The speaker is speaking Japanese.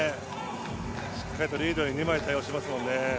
しっかりリードに２枚で対応してますもんね。